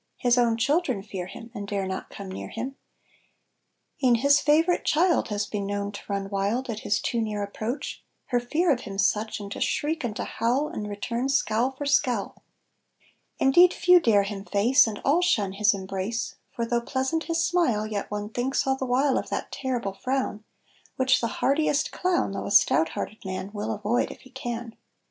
His own children fear him And dare not come near him; E'en his favorite child Has been known to run wild At his too near approach, Her fear of him such, And to shriek and to howl And return scowl for scowl. Indeed few dare him face, And all shun his embrace; For though pleasant his smile, Yet one thinks all the while Of that terrible frown, Which the hardiest clown, Though a stout hearted man, Will avoid if he can.